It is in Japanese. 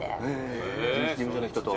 事務所の人と。